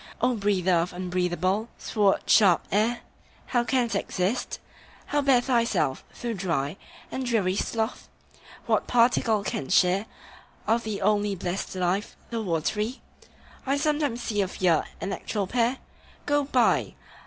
O breather of unbreathable, sword sharp air, How canst exist? How bear thyself, thou dry And dreary sloth? What particle canst share Of the only blessed life, the watery? I sometimes see of ye an actual pair Go by!